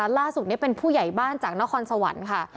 ล่าสุดนี้เป็นผู้ใหญ่บ้านจากนครสวรรค์ค่ะ